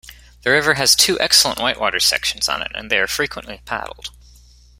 The river has two excellent whitewater sections on it, and they are frequently paddled.